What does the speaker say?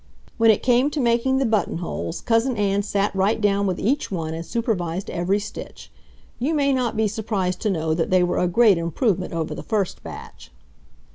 When it came to making the buttonholes, Cousin Ann sat right down with each one and supervised every stitch. You may not be surprised to know that they were a great improvement over the first batch.